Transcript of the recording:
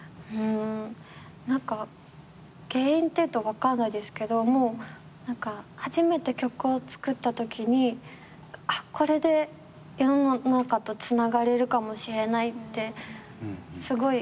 何か原因っていうと分かんないですけど初めて曲を作ったときにこれで世の中とつながれるかもしれないってすごい希望が見えたんですよね。